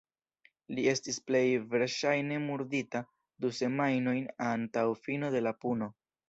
Li estis plej verŝajne murdita du semajnojn antaŭ fino de la puno.